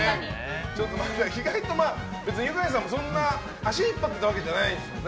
意外とユカイさんも、そんなに足引っ張ってたわけじゃないですもんね。